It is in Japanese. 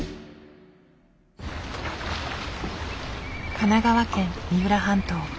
神奈川県三浦半島。